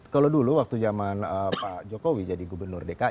kalau dulu waktu zaman pak jokowi jadi gubernur dki